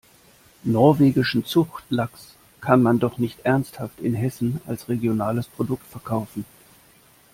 Norwegischen Zuchtlachs kann man doch nicht ernsthaft in Hessen als regionales Produkt verkaufen!